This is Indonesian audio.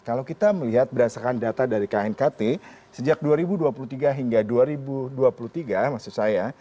kalau kita melihat berdasarkan data dari knkt sejak dua ribu dua puluh tiga hingga dua ribu dua puluh tiga maksud saya